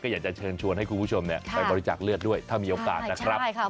อยากจะเชิญชวนให้คุณผู้ชมไปบริจาคเลือดด้วยถ้ามีโอกาสนะครับ